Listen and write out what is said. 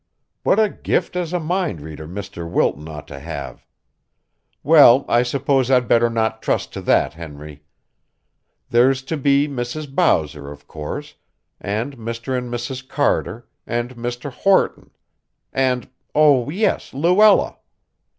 "What a gift as a mind reader Mr. Wilton ought to have! Well, I suppose I'd better not trust to that, Henry. There's to be Mrs. Bowser, of course, and Mr. and Mrs. Carter, and Mr. Horton, and oh, yes Luella."